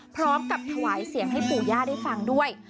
พร้อมกับถวายเสียงให้ปู่ย่าได้ฟังด้วย